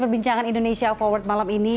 perbincangan indonesia forward malam ini